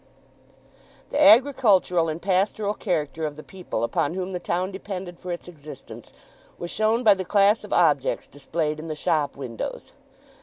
The agricultural and pastoral character of the people upon whom the town depended for its existence was shown by the class of objects displayed in the shop windows.